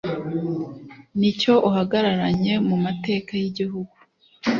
n icyo uhagararanye mu mateka y Igihugu